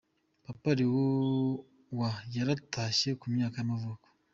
Papa Leo wa yaratashye, ku myaka y’amavuko.